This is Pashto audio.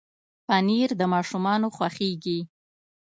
پنېر د ماشومانو خوښېږي.